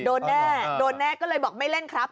โดนแน่โดนแน่ก็เลยบอกไม่เล่นครับ